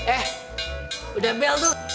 eh udah bel tuh